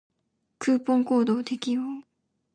クーポンコードを適用